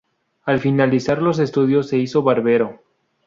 Al finalizar los estudios se hizo barbero.